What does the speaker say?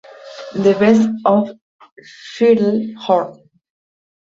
The best of Shirley Horn".